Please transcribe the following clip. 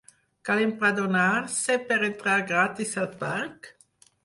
Cal empadronar-se per entrar gratis al parc?